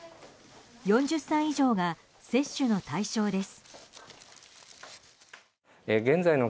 ４０歳以上が接種の対象です。